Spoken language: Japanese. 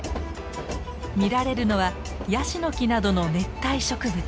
見られるのはヤシの木などの熱帯植物。